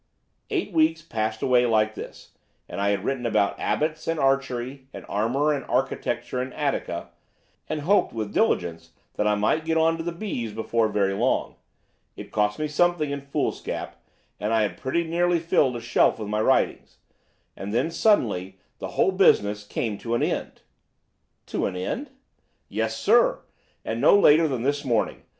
"Eight weeks passed away like this, and I had written about Abbots and Archery and Armour and Architecture and Attica, and hoped with diligence that I might get on to the B's before very long. It cost me something in foolscap, and I had pretty nearly filled a shelf with my writings. And then suddenly the whole business came to an end." "To an end?" "Yes, sir. And no later than this morning.